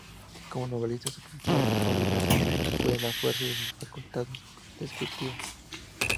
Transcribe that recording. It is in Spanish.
Como novelista, su principal cualidad fue la fuerza de sus facultades descriptivas.